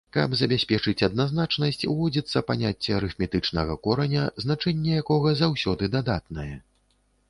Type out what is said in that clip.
Каб забяспечыць адназначнасць, уводзіцца паняцце арыфметычнага кораня, значэнне якога заўсёды дадатнае.